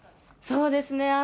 そうですね。